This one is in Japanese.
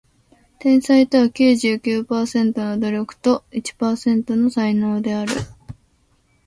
天才とは九十九パーセントの努力と一パーセントの才能である